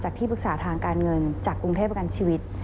ที่ปรึกษาทางการเงินจากกรุงเทพประกันชีวิต